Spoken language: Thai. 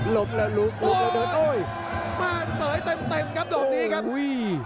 ล้มแล้วลุกแล้วเดินโอ้ยมาเสยเต็มเต็มครับดอกนี้ครับอุ้ย